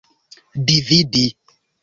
dividi